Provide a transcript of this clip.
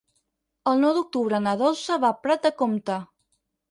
El nou d'octubre na Dolça va a Prat de Comte.